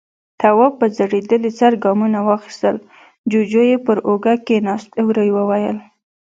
تواب په ځړېدلي سر ګامونه واخيستل، جُوجُو يې پر اوږه کېناست، ورو يې وويل: